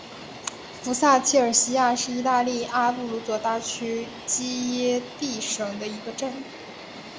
福萨切西亚是意大利阿布鲁佐大区基耶蒂省的一个镇。